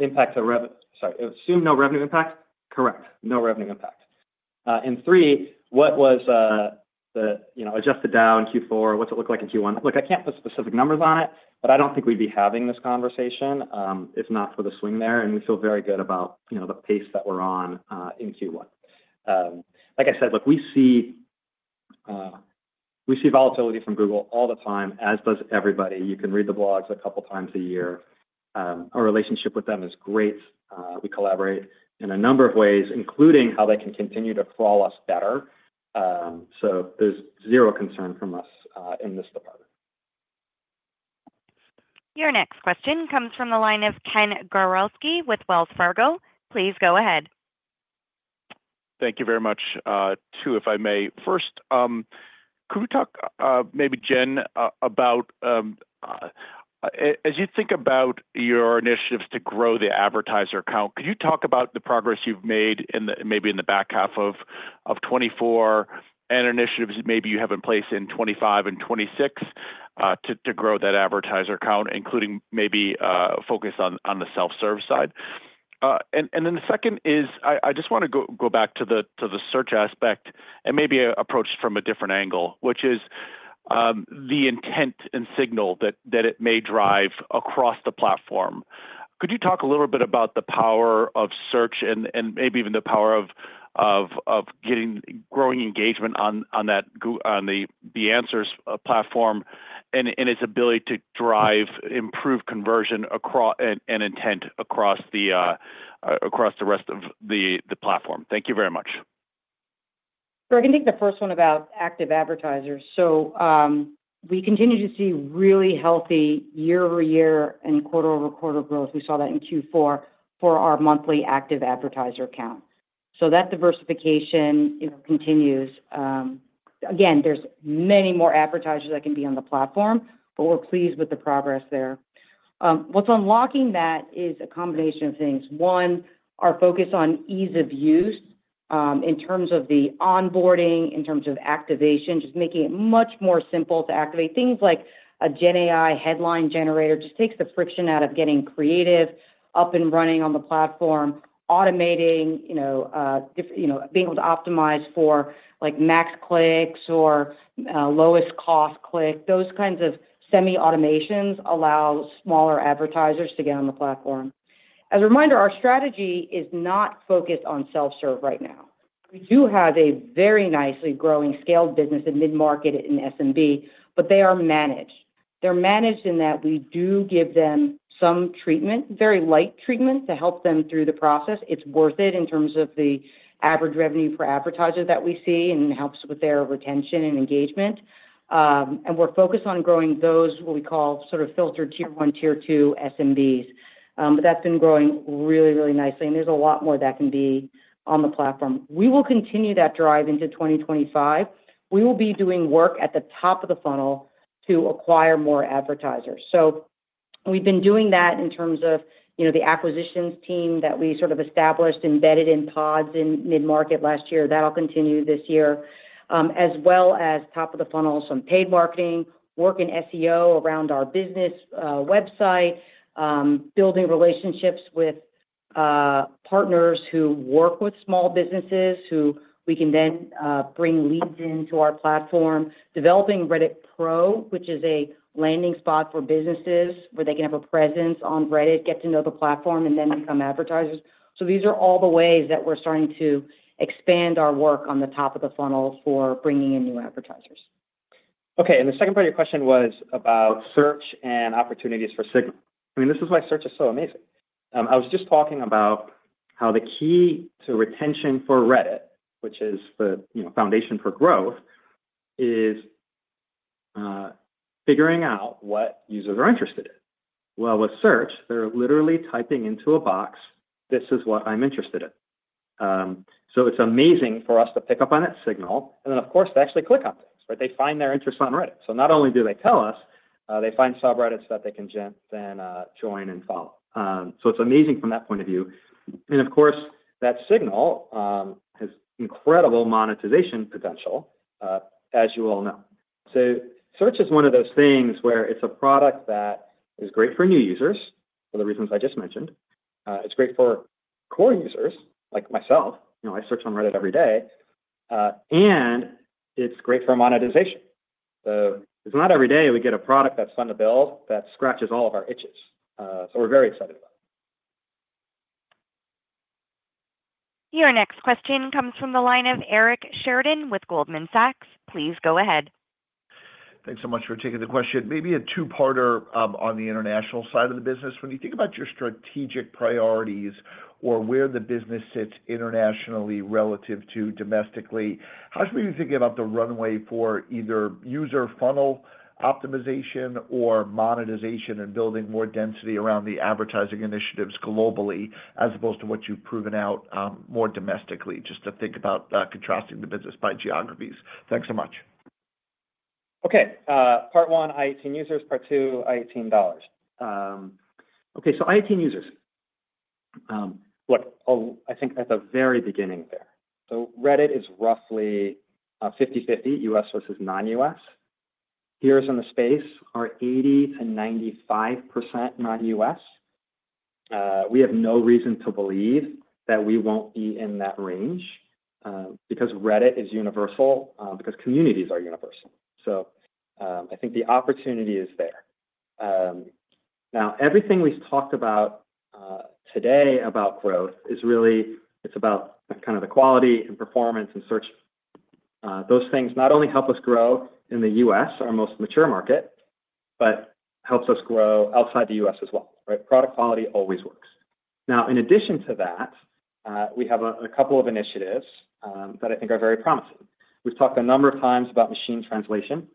impact to revenue. Sorry. Assume no revenue impact. Correct. No revenue impact. And three, what was the adjusted down Q4? What's it look like in Q1? Look, I can't put specific numbers on it, but I don't think we'd be having this conversation if not for the swing there. And we feel very good about the pace that we're on in Q1. Like I said, look, we see volatility from Google all the time, as does everybody. You can read the blogs a couple of times a year. Our relationship with them is great. We collaborate in a number of ways, including how they can continue to crawl us better. So there's zero concern from us in this department. Your next question comes from the line of Ken Gawrelski with Wells Fargo. Please go ahead. Thank you very much, too, if I may. First, could we talk maybe, Jen, about as you think about your initiatives to grow the advertiser count, could you talk about the progress you've made maybe in the back half of 2024 and initiatives that maybe you have in place in 2025 and 2026 to grow that advertiser count, including maybe focus on the self-serve side? And then the second is I just want to go back to the search aspect and maybe approach from a different angle, which is the intent and signal that it may drive across the platform. Could you talk a little bit about the power of search and maybe even the power of growing engagement on the answers platform and its ability to drive improved conversion and intent across the rest of the platform? Thank you very much. I can take the first one about active advertisers. We continue to see really healthy year-over-year and quarter-over-quarter growth. We saw that in Q4 for our monthly active advertiser count. That diversification continues. Again, there's many more advertisers that can be on the platform, but we're pleased with the progress there. What's unlocking that is a combination of things. One, our focus on ease of use in terms of the onboarding, in terms of activation, just making it much more simple to activate. Things like a GenAI Headline Generator just takes the friction out of getting creative up and running on the platform, automating, being able to optimize for max clicks or lowest cost click. Those kinds of semi-automations allow smaller advertisers to get on the platform. As a reminder, our strategy is not focused on self-serve right now. We do have a very nicely growing scaled business in mid-market in SMB, but they are managed. They're managed in that we do give them some treatment, very light treatment to help them through the process. It's worth it in terms of the average revenue per advertiser that we see, and it helps with their retention and engagement, and we're focused on growing those what we call sort of filtered tier one, tier two SMBs, but that's been growing really, really nicely, and there's a lot more that can be on the platform. We will continue that drive into 2025. We will be doing work at the top of the funnel to acquire more advertisers. So we've been doing that in terms of the acquisitions team that we sort of established, embedded in pods in mid-market last year. That'll continue this year, as well as top of the funnel, some paid marketing, work in SEO around our business website, building relationships with partners who work with small businesses who we can then bring leads into our platform, developing Reddit Pro, which is a landing spot for businesses where they can have a presence on Reddit, get to know the platform, and then become advertisers. So these are all the ways that we're starting to expand our work on the top of the funnel for bringing in new advertisers. Okay. And the second part of your question was about search and opportunities for signal. I mean, this is why search is so amazing. I was just talking about how the key to retention for Reddit, which is the foundation for growth, is figuring out what users are interested in. Well, with search, they're literally typing into a box, "This is what I'm interested in." So it's amazing for us to pick up on that signal and then, of course, to actually click on things, right? They find their interest on Reddit. So not only do they tell us, they find subreddits that they can then join and follow. So it's amazing from that point of view. And of course, that signal has incredible monetization potential, as you all know. So search is one of those things where it's a product that is great for new users for the reasons I just mentioned. It's great for core users like myself. I search on Reddit every day. And it's great for monetization. So it's not every day we get a product that's fun to build that scratches all of our itches. So we're very excited about it. Your next question comes from the line of Eric Sheridan with Goldman Sachs. Please go ahead. Thanks so much for taking the question. Maybe a two-parter on the international side of the business. When you think about your strategic priorities or where the business sits internationally relative to domestically, how should we be thinking about the runway for either user funnel optimization or monetization and building more density around the advertising initiatives globally as opposed to what you've proven out more domestically, just to think about contrasting the business by geographies? Thanks so much. Okay. Part one, i18n users. Part two, i18n dollars. Okay. So i18n users. Look, I think at the very beginning there, so Reddit is roughly 50/50, U.S. versus non-U.S. Peers in the space are 80%-95% non-U.S. We have no reason to believe that we won't be in that range because Reddit is universal, because communities are universal. So I think the opportunity is there. Now, everything we've talked about today about growth is really it's about kind of the quality and performance and search. Those things not only help us grow in the U.S., our most mature market, but helps us grow outside the U.S. as well, right? Product quality always works. Now, in addition to that, we have a couple of initiatives that I think are very promising. We've talked a number of times about machine translation.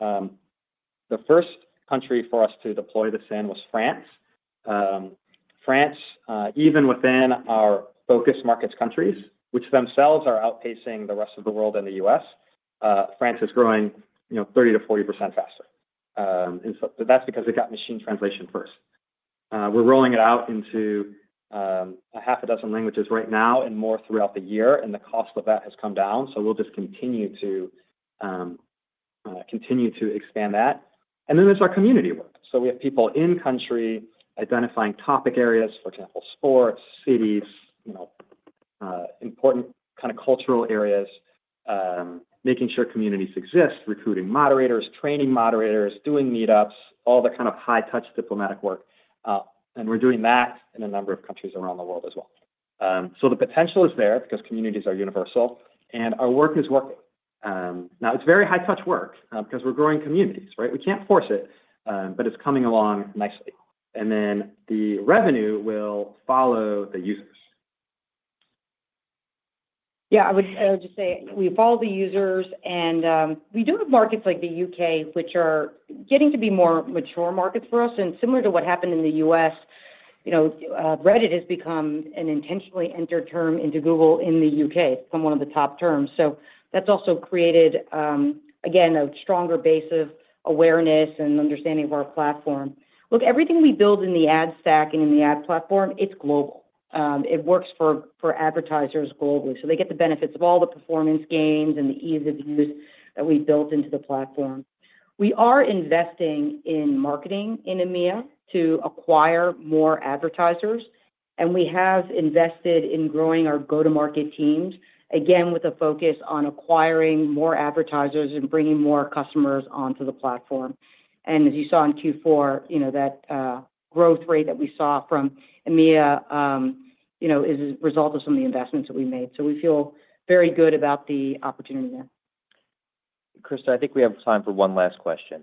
The first country for us to deploy this in was France. France, even within our focus markets countries, which themselves are outpacing the rest of the world and the U.S., is growing 30%-40% faster, and that's because we've got machine translation first. We're rolling it out into a half a dozen languages right now and more throughout the year. The cost of that has come down, so we'll just continue to expand that. Then there's our community work. We have people in-country identifying topic areas, for example, sports, cities, important kind of cultural areas, making sure communities exist, recruiting moderators, training moderators, doing meetups, all the kind of high-touch diplomatic work. We're doing that in a number of countries around the world as well. The potential is there because communities are universal, and our work is working. Now, it's very high-touch work because we're growing communities, right? We can't force it, but it's coming along nicely. And then the revenue will follow the users. Yeah. I would just say we follow the users. And we do have markets like the U.K., which are getting to be more mature markets for us. And similar to what happened in the U.S., Reddit has become an intentionally entered term into Google in the U.K., one of the top terms. So that's also created, again, a stronger base of awareness and understanding of our platform. Look, everything we build in the ad stack and in the ad platform, it's global. It works for advertisers globally. So they get the benefits of all the performance gains and the ease of use that we built into the platform. We are investing in marketing in EMEA to acquire more advertisers. And we have invested in growing our go-to-market teams, again, with a focus on acquiring more advertisers and bringing more customers onto the platform. As you saw in Q4, that growth rate that we saw from EMEA is a result of some of the investments that we made. We feel very good about the opportunity there. Chris, I think we have time for one last question.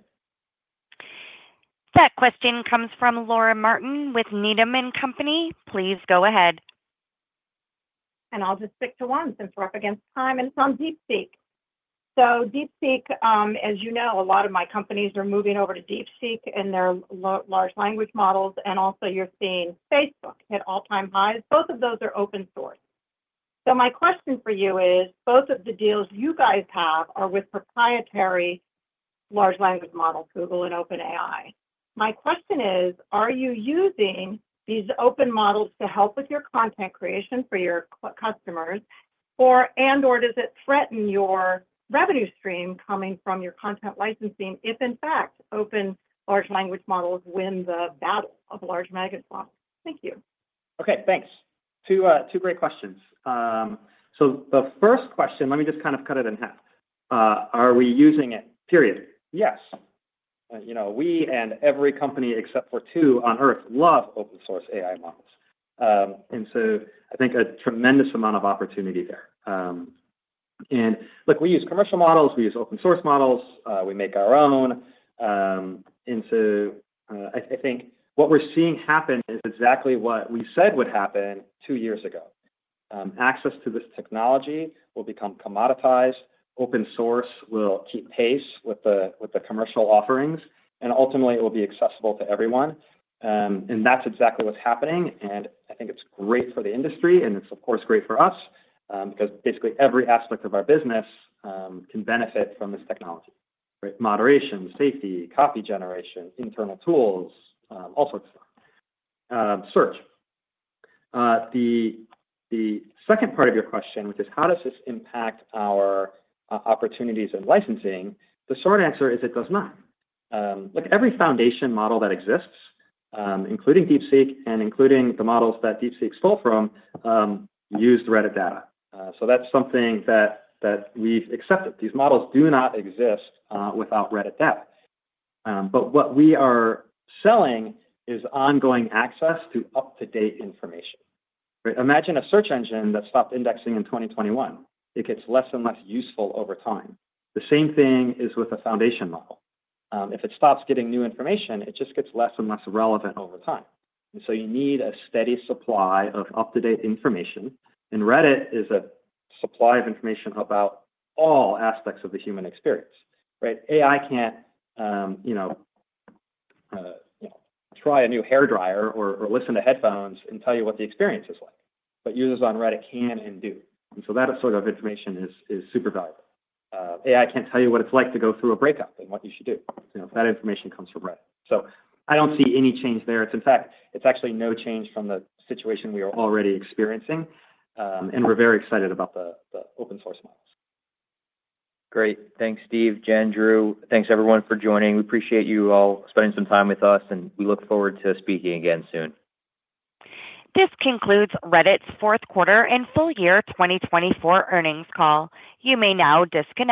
That question comes from Laura Martin with Needham & Company. Please go ahead. And I'll just stick to one since we're up against time, and it's on DeepSeek. So DeepSeek, as you know, a lot of my companies are moving over to DeepSeek and their large language models. And also, you're seeing Facebook hit all-time highs. Both of those are open source. So my question for you is, both of the deals you guys have are with proprietary large language models, Google and OpenAI. My question is, are you using these open models to help with your content creation for your customers, and/or does it threaten your revenue stream coming from your content licensing if, in fact, open large language models win the battle of large language models? Thank you. Okay. Thanks. Two great questions. So the first question, let me just kind of cut it in half. Are we using it? Period. Yes. We and every company except for two on earth love open-source AI models. And so I think a tremendous amount of opportunity there. And look, we use commercial models. We use open-source models. We make our own. And so I think what we're seeing happen is exactly what we said would happen two years ago. Access to this technology will become commoditized. Open source will keep pace with the commercial offerings. And ultimately, it will be accessible to everyone. And that's exactly what's happening. And I think it's great for the industry. And it's, of course, great for us because basically every aspect of our business can benefit from this technology, right? Moderation, safety, copy generation, internal tools, all sorts of stuff. Search. The second part of your question, which is, how does this impact our opportunities and licensing? The short answer is it does not. Look, every foundation model that exists, including DeepSeek and including the models that DeepSeek stole from, used Reddit data. So that's something that we've accepted. These models do not exist without Reddit data. But what we are selling is ongoing access to up-to-date information, right? Imagine a search engine that stopped indexing in 2021. It gets less and less useful over time. The same thing is with a foundation model. If it stops getting new information, it just gets less and less relevant over time. And so you need a steady supply of up-to-date information. And Reddit is a supply of information about all aspects of the human experience, right? AI can't try a new hairdryer or listen to headphones and tell you what the experience is like. But users on Reddit can and do. And so that sort of information is super valuable. AI can't tell you what it's like to go through a breakup and what you should do if that information comes from Reddit. So I don't see any change there. In fact, it's actually no change from the situation we are already experiencing. And we're very excited about the open-source models. Great. Thanks, Steve, Jen, Drew. Thanks, everyone, for joining. We appreciate you all spending some time with us. And we look forward to speaking again soon. This concludes Reddit's fourth quarter and full year 2024 earnings call. You may now disconnect.